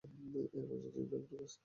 এর মাঝে যদি নাক ঢুকাস।